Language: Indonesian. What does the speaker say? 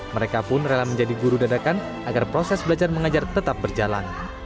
mereka pun rela menjadi guru dadakan agar proses belajar mengajar tetap berjalan